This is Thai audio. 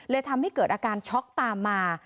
ทำให้เกิดอาการช็อกตามมา